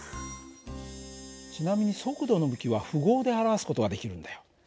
ちなみに速度の向きは符号で表す事ができるんだよ。